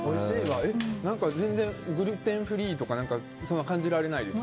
全然、グルテンフリーとか感じられないです。